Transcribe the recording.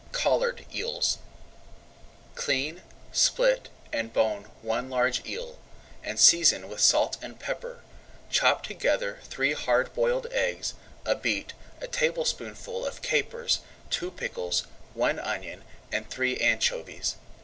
COLLARED EELS Clean, split, and bone one large eel, and season with salt and pepper. Chop together three hard boiled eggs, a beet, a tablespoonful of capers, two pickles, one onion, and three anchovies.